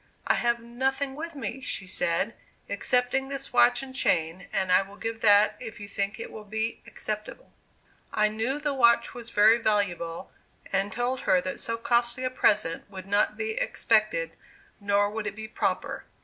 "I have nothing with me," she said, "excepting this watch and chain, and I will give that if you think it will be acceptable." I knew the watch was very valuable, and told her that so costly a present would not be expected, nor would it be proper.